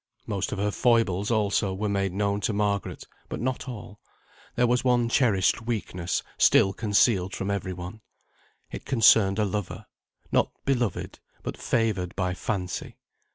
Most of her foibles also were made known to Margaret, but not all. There was one cherished weakness still concealed from every one. It concerned a lover, not beloved, but favoured by fancy.